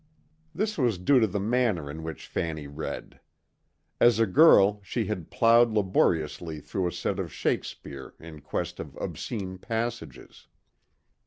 This was due to the manner in which Fanny read. As a girl she had ploughed laboriously through a set of Shakespeare in quest of obscene passages.